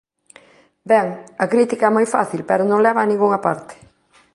Ben, a crítica é moi fácil pero non leva a ningunha parte.